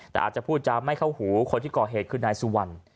แต่อาจจะพูดจะไม่เข้าหูคนที่ก่อเหตุคือนายสุวรรณ